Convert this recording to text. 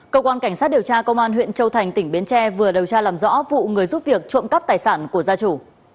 công an huyện châu thành tỉnh biến tre vừa điều tra làm rõ vụ người giúp việc trộm cắp tài sản của gia chủ